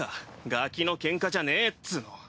ガキのケンカじゃねぇっつの。